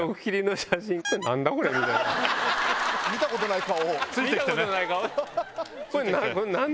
見たことない顔。